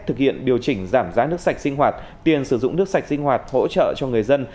thực hiện điều chỉnh giảm giá nước sạch sinh hoạt tiền sử dụng nước sạch sinh hoạt hỗ trợ cho người dân